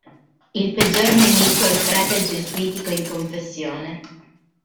Il peggior nemico è il prete gesuitico in confessione.